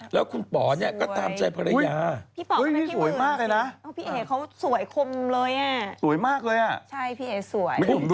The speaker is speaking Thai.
แล้วคุณป๋อเนี่ยก็ตามใจภรรยาพี่ป๋อมันไม่คิดมากเลยนะพี่เอ๋เขาสวยคมเลยอะ